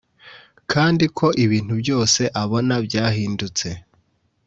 kandi ko ibintu byose abona byahindutse